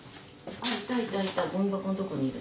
あっいたいたいたゴミ箱のとこにいる。